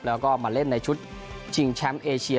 แล้วก็มาเล่นในชุดชิงแชมป์เอเชีย